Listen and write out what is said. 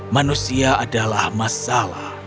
manusia adalah masalah